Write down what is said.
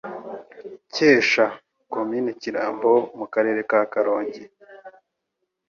Cyesha (Komini Kirambo) mu Karere ka Karongi.